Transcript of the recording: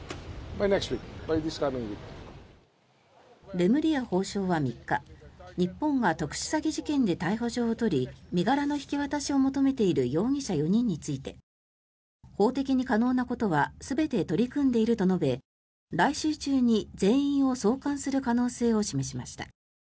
レムリヤ法相は３日日本が特殊詐欺事件で逮捕状を取り身柄の引き渡しを求めている容疑者４人について法的に可能なことは全て取り組んでいると述べ来週中に全員を送還する可能性を示しました。